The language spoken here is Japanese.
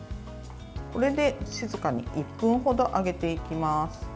これで静かに１分程揚げていきます。